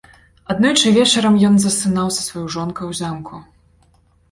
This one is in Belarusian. Аднойчы вечарам ён засынаў са сваёй жонкай у замку.